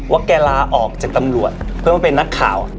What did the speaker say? แกลาออกจากตำรวจเพื่อมาเป็นนักข่าว